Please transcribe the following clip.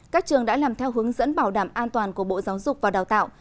các trường đã làm theo hướng dẫn bảo đảm an toàn của bộ giáo dục và đào tạo